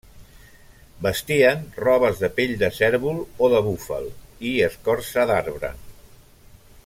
Vestien robes de pell de cérvol o de búfal i escorça d'arbre.